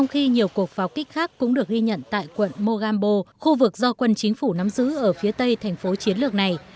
khi nhiều cuộc pháo kích khác cũng được ghi nhận tại quận mogambo khu vực do quân chính phủ nắm giữ ở phía tây thành phố chiến lược này